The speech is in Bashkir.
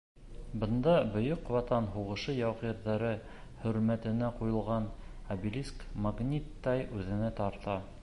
Бында Бөйөк Ватан һуғышы яугирҙәре хөрмәтенә ҡуйылған обелиск магниттай үҙенә тарта.